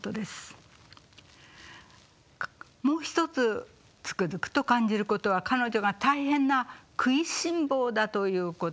もう一つつくづくと感じることは彼女が大変な食いしん坊だということです。